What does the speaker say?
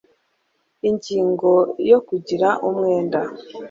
ingingo ya kugira umwenda